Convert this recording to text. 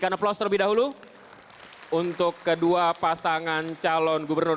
bangsa dan tanah air